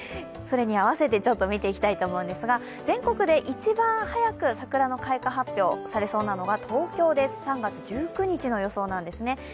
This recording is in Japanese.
それに合わせて見ていきたいと思うんですが、全国で一番早く桜の開花発表されたのは、東京です３月１９日の予想なんですね。